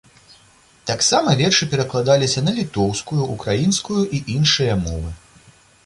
Таксама вершы перакладаліся на літоўскую, украінскую і іншыя мовы.